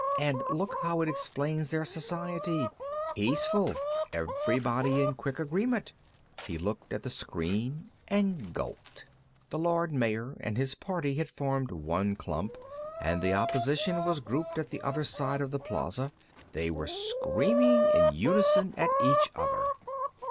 "And look how it explains their society. Peaceful, everybody in quick agreement " He looked at the screen and gulped. The Lord Mayor and his party had formed one clump, and the opposition was grouped at the other side of the plaza; they were screaming in unison at each other.